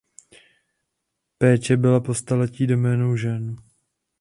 Péče byla po staletí doménou žen.